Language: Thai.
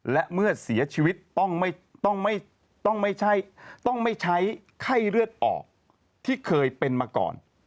และเมื่อเสียชีวิตต้องไม่ใช้ไข้เลือดออกที่เคยเป็นมาก่อน